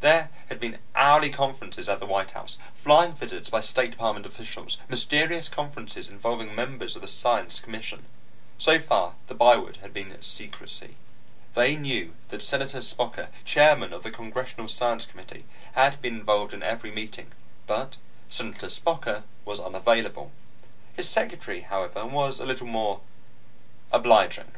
There had been hourly conferences at the White House, flying visits by State Department officials, mysterious conferences involving members of the Science Commission. So far, the byword had been secrecy. They knew that Senator Spocker, chairman of the Congressional Science Committee, had been involved in every meeting, but Senator Spocker was unavailable. His secretary, however, was a little more obliging